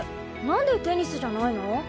何でテニスじゃないの？